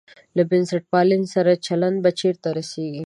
له بنسټپالنې سره چلند به چېرته رسېږي.